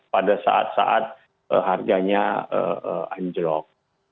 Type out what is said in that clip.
pada saat saat harganya anjlok